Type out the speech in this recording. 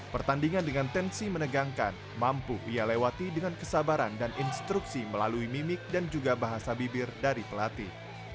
pertandingan dengan tensi menegangkan mampu ia lewati dengan kesabaran dan instruksi melalui mimik dan juga bahasa bibir dari pelatih